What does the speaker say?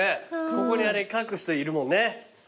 ここに書く人いるもんね。